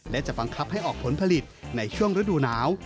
และจะบังคับให้ออกผลผลิตในช่วงฤดูหนาว